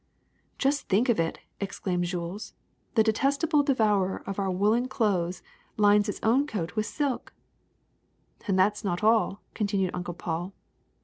^^Just think of it,'^ exclaimed Jules; '^the detest able devourer of our woolen clothes lines its own coat with silk !" And that is not all,'' continued Uncle Paul.